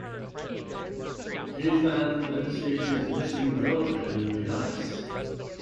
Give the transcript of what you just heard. Ethan then sees his missing girlfriend in the ice.